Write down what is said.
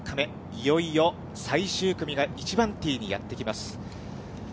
いよいよ最終組が１番ティーにやって来ます。